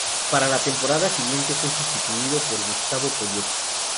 Para la temporada siguiente, fue sustituido por Gustavo Poyet.